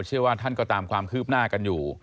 เชื่อว่าท่านก็ตามความคืบหน้ากันอยู่